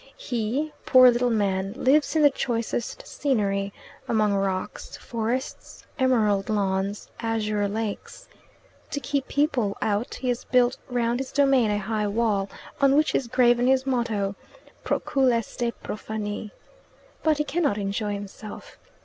He, poor little man, lives in the choicest scenery among rocks, forests, emerald lawns, azure lakes. To keep people out he has built round his domain a high wall, on which is graven his motto "Procul este profani." But he cannot enjoy himself.